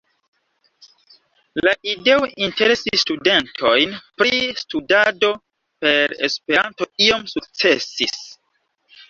La ideo interesi studentojn pri studado per Esperanto iom sukcesis.